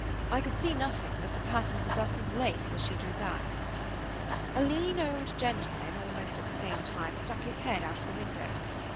I could see nothing but the pattern of the Brussels lace as she drew back. A lean old gentleman, almost at the same time, stuck his head out of the window.